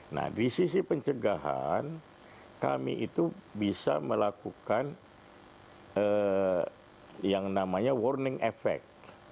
nah di sisi pencegahan kami itu bisa melakukan yang namanya warning effect